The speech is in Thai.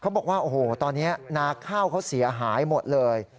บอกว่าโอ้โหตอนนี้นาข้าวเขาเสียหายหมดเลย